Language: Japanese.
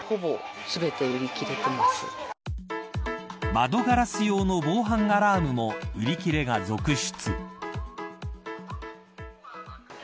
窓ガラス用の防犯アラームも売り切れが続出。